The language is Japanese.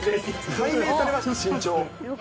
解明されました、身長。